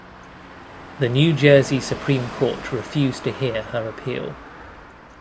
The New Jersey Supreme Court refused to hear her appeal.